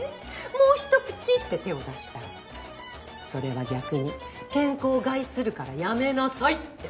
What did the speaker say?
もう一口って手を出したら「それは逆に健康を害するからやめなさい」って。